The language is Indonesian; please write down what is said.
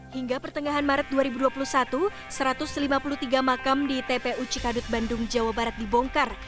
hingga pertengahan maret dua ribu dua puluh satu satu ratus lima puluh tiga makam di tpu cikadut bandung jawa barat dibongkar